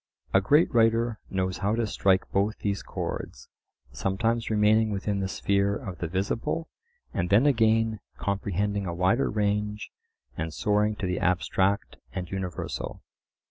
A great writer knows how to strike both these chords, sometimes remaining within the sphere of the visible, and then again comprehending a wider range and soaring to the abstract and universal.